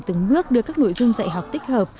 từng bước đưa các nội dung dạy học tích hợp